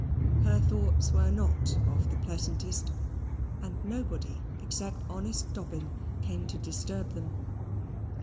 Her thoughts were not of the pleasantest, and nobody except honest Dobbin came to disturb them.